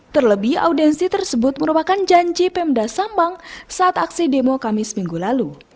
terlebih audiensi tersebut merupakan janji pemda sampang saat aksi demo kami seminggu lalu